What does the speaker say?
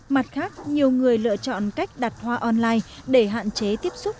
mặt khác nhiều người lựa chọn cách đặt hoa online để hạn chế tiếp xúc